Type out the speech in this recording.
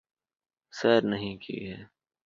سیر نہیں کی ہے